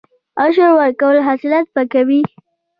عشر ورکول حاصلات پاکوي.